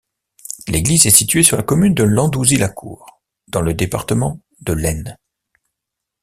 L'église est située sur la commune de Landouzy-la-Cour, dans le département de l'Aisne.